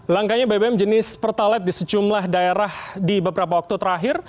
langkanya bbm jenis pertalite di sejumlah daerah di beberapa waktu terakhir